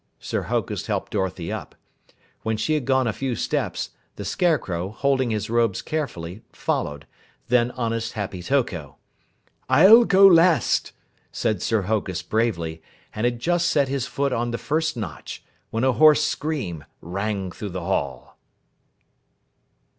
Sir Hokus helped Dorothy up. When she had gone a few steps, the Scarecrow, holding his robes carefully, followed, then honest Happy Toko. "I'll go last," said Sir Hokus bravely, and had just set his foot on the first notch when a hoarse scream rang through the hall.